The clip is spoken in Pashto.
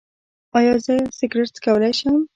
ایا زه سګرټ څکولی شم؟